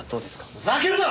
ふざけるな！